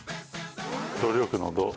努力の努。